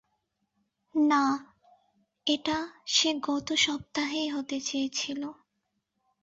না, এটা সে গত সপ্তাহেই হতে চেয়েছিল।